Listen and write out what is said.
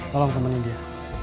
tolong temenin dia